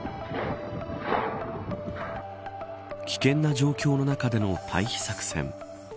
危険な状況の中での退避作戦。